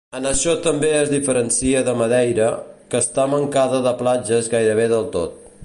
En això també es diferencia de Madeira, que està mancada de platges gairebé del tot.